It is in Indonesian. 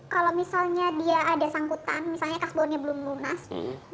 kalau misalnya dia ada sangkutan misalnya kasbonnya belum lunas